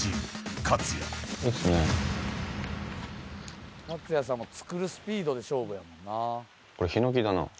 ＫＡＴＳＵＹＡさんも作るスピードで勝負やもんな。